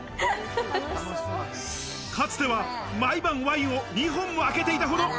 かつては毎晩ワインを２本を開けていたほど。